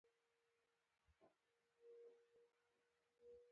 ځان پېښې دوه غرضه لري.